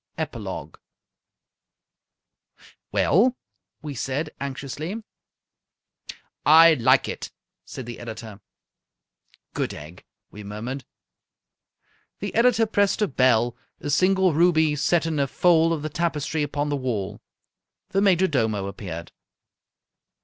EPILOGUE "Well?" we said, anxiously. "I like it," said the editor. "Good egg!" we murmured. The editor pressed a bell, a single ruby set in a fold of the tapestry upon the wall. The major domo appeared.